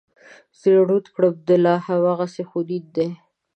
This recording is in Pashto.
زه یې ړوند کړم دا لا هغسې خونین دی.